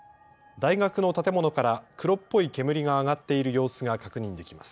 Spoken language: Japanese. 大学の建物から黒っぽい煙が上がっている様子が確認できます。